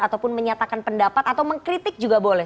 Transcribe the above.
ataupun menyatakan pendapat atau mengkritik juga boleh